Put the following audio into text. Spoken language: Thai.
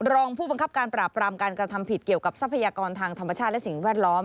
รองผู้บังคับการปราบรามการกระทำผิดเกี่ยวกับทรัพยากรทางธรรมชาติและสิ่งแวดล้อม